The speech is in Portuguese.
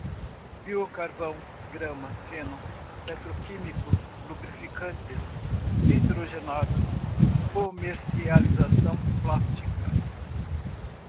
biocarvão, grama, feno, petroquímicos, lubrificantes, nitrogenados, comercialização, plástica